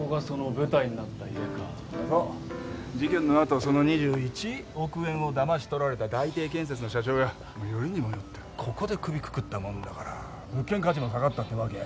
事件の後その２１億円をだまし取られた大邸建設の社長がよりにもよってここで首くくったもんだから物件価値も下がったってわけ。